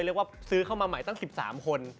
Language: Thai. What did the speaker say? เรียกว่าซื้อเข้ามาใหม่ตั้ง๑๓คน